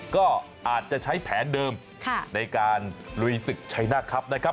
ก็อาจจะใช้แผนเดิมในการลุยศึกชัยหน้าครับนะครับ